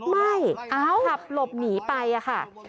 ไม่ขับหลบหนีไปค่ะ